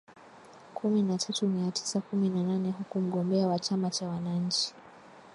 kumi na tatu mia tisa kumi na nane huku mgombea wa Chama cha wananchi